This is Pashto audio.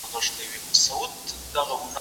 چېري د مساوي کار لپاره مساوي معاش ورکول کیږي؟